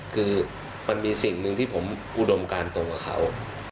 คือมันมีสิ่งหนึ่งที่ผมอุดมการตรงกับเขา